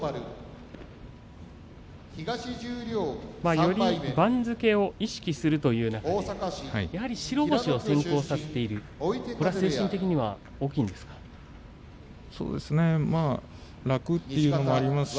より番付を意識するという場所、そこで白星を先行させているこれは精神的には大きいんじゃないですか？